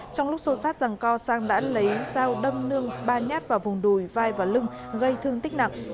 trong lúc xô sát rằng co sang đã lấy dao đâm nương ba nhát vào vùng đùi vai và lưng gây thương tích nặng